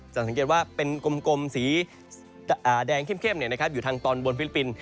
สังเกตว่าเป็นกลมสีแดงเข้มอยู่ทางตอนบนฟิลิปปินส์